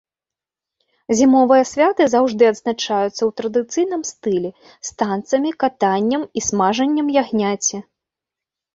Зімовыя святы заўжды адзначаюцца ў традыцыйным стылі, з танцамі, катаннем у і смажаннем ягняці.